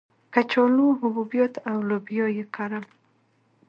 کچالو، حبوبات او لوبیا یې کرل.